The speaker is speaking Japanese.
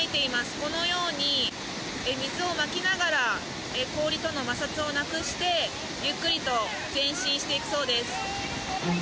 このように水をまきながら氷との摩擦をなくしてゆっくりと前進していくそうです。